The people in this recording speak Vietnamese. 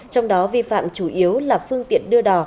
trong đó vi phạm chủ yếu là phương tiện đưa đò